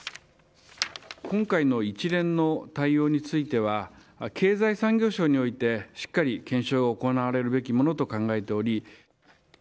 今回の一連の対応については、経済産業省において、しっかり検証を行われるべきものと考えており。